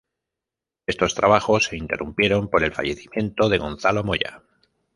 Estos trabajos se interrumpieron por el fallecimiento de Gonzalo Moya.